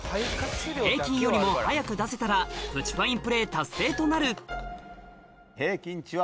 平均よりも早く出せたらプチファインプレー達成となる平均値は。